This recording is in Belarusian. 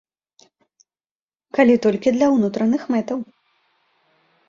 Калі толькі для ўнутраных мэтаў.